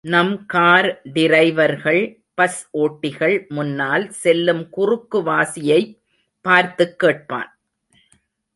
நம் கார் டிரைவர்கள், பஸ் ஓட்டிகள் முன்னால் செல்லும் குறுக்குவாசியைப் பார்த்துக் கேட்பான்.